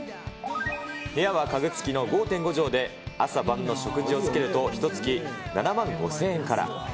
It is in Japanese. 部屋は家具付きの５．５畳で、朝晩の食事を付けるとひとつき７万５０００円から。